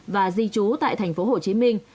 và di trú tại thành phố hồ chí minh